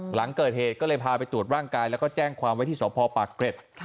หลังเกิดเหตุก็เลยพาไปตรวจร่างกายแล้วก็แจ้งความไว้ที่สพปากเกร็ด